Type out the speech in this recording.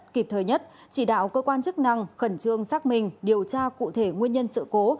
kịp thời nhất chỉ đạo cơ quan chức năng khẩn trương xác minh điều tra cụ thể nguyên nhân sự cố